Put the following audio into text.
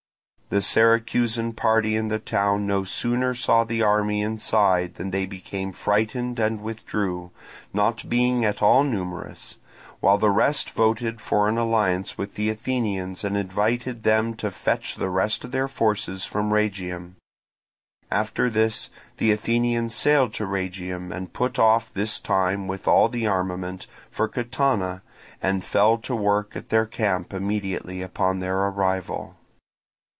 The Syracusan party in the town no sooner saw the army inside than they became frightened and withdrew, not being at all numerous; while the rest voted for an alliance with the Athenians and invited them to fetch the rest of their forces from Rhegium. After this the Athenians sailed to Rhegium, and put off, this time with all the armament, for Catana, and fell to work at their camp immediately upon their arrival.